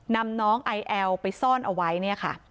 นำน้องไอแอลไปซ่อนเอาไว้เนี่ยค่ะ